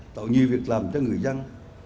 tạo nhiều việc làm cho người dân